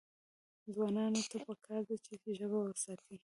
ځوانانو ته پکار ده چې، ژبه وساتي.